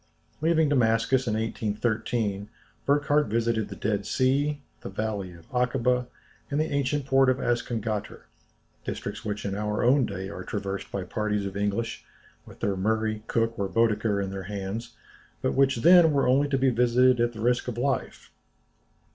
Leaving Damascus in 1813, Burckhardt visited the Dead Sea, the valley of Akâba, and the ancient port of Azcongater, districts which in our own day are traversed by parties of English, with their Murray, Cook, or Bædeker in their hands; but which then were only to be visited at the risk of life.